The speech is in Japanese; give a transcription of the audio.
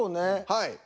はい。